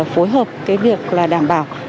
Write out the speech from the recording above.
phối hợp cái việc là đảm bảo